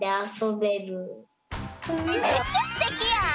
めっちゃすてきやん。